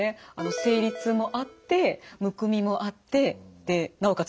生理痛もあってむくみもあってでなおかつ